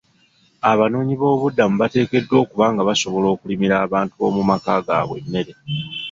Abanoonyi b'obubuddamu bateekeddwa okuba nga basobola okulimira abantu b'omu maka gaabwe emmere.